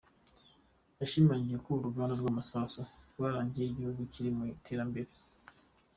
Yashimangiye ko urugamba rw’amasasu rwarangiye igihugu kiri mu rw’iterambere.